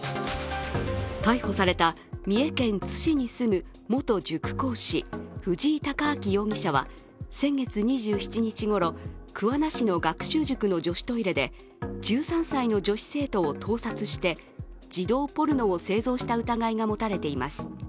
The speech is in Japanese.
逮捕された三重県津市に住む元塾講師、藤井孝明容疑者は、先月２７日ごろ、桑名市の学習塾の女子トイレで１３歳の女子生徒を盗撮して、児童ポルノを製造した疑いが持たれています。